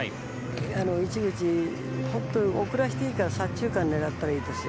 市口、本当に遅らせていいから左中間狙ったらいいですよ